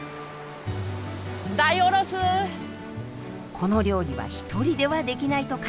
この料理は一人ではできないとか。